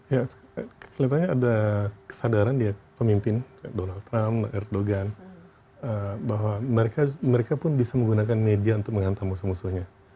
ya kelihatannya ada kesadaran ya pemimpin donald trump erdogan bahwa mereka pun bisa menggunakan media untuk menghantam musuh musuhnya